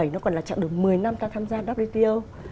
nó còn là chặng đường một mươi năm ta tham gia wto